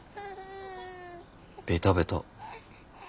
ベタベタ。